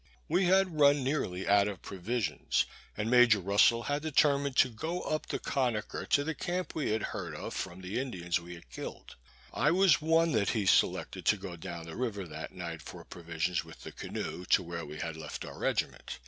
We had run nearly out of provisions, and Major Russell had determined to go up the Conaker to the camp we had heard of from the Indians we had killed. I was one that he selected to go down the river that night for provisions, with the canoe, to where we had left our regiment.